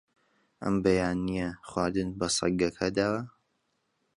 ئەم بەیانییە خواردنت بە سەگەکە داوە؟